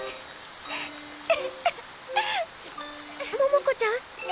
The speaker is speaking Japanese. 桃子ちゃん？